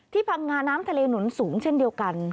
พังงาน้ำทะเลหนุนสูงเช่นเดียวกัน